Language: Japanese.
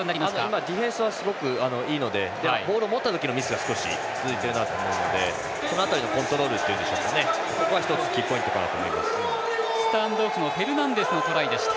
今、ディフェンスはすごくいいのでボール持った時のミスが少し続いているなと思うのでその辺りのコントロールがここは１つキーポイントかなとスタンドオフのフェルナンデスのトライでした。